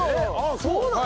そうなの？